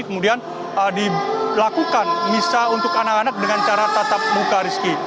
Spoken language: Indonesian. kemudian dilakukan misa untuk anak anak dengan cara tatap muka rizky